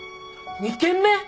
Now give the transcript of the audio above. ２軒目！？